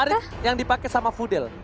menarik yang dipakai sama fudel